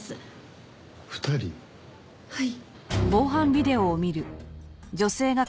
はい。